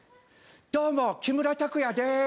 どうも木村拓哉です！